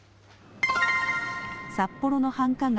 札幌の繁華街、